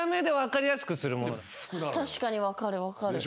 確かに分かる分かる。